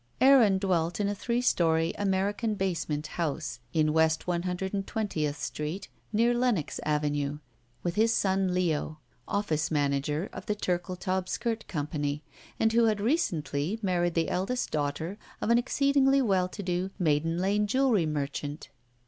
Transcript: Aaron dwelt in a three story, American basement house in West 120th Street, near Lenox Avenue, with his son Leo, office manager of the Turkletaub Skirt Company, and who had recently married the eldest daughter of an exceedingly well to do Maiden Lane jewelry merchant.